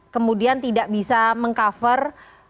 kemudian tidak bisa meng cover